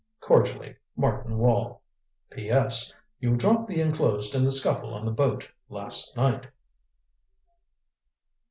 "Cordially, "MARTIN WALL. "P.S. You dropped the enclosed in the scuffle on the boat last night."